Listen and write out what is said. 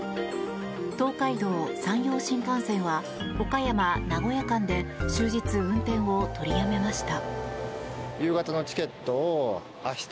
東海道・山陽新幹線は岡山名古屋間で終日運転を取りやめました。